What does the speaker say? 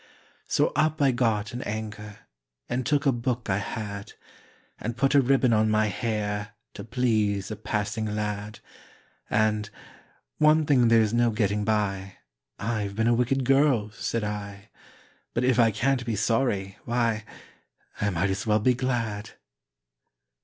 So up I got in anger, And took a book I had, And put a ribbon on my hair To please a passing lad. And, "One thing there's no getting by— I've been a wicked girl," said I; "But if I can't be sorry, why, I might as well be glad!"